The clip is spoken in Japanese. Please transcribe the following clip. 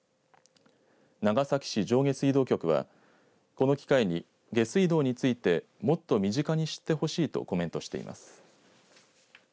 長崎市上下水道局はこの機会に下水道についてもっと身近に知ってほしいとコメントしています。